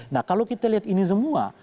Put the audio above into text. nah kalau kita lihat ini semua